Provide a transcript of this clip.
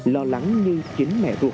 lo lắng như chính mẹ ruột